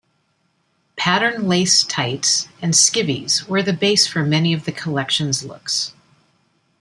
Patterned lace tights and skivis were the base for many of the collection's looks.